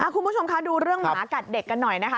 คุณผู้ชมคะดูเรื่องหมากัดเด็กกันหน่อยนะคะ